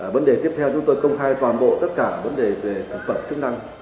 vấn đề tiếp theo chúng tôi công khai toàn bộ tất cả vấn đề về thực phẩm chức năng